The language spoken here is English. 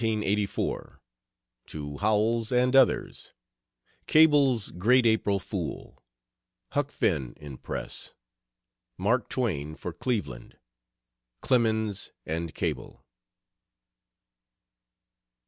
XXIV. LETTERS, 1884, TO HOWELLS AND OTHERS. CABLE'S GREAT APRIL FOOL. "HUCK FINN" IN PRESS. MARK TWAIN FOR CLEVELAND. CLEMENS AND CABLE.